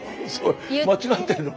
間違ってるの？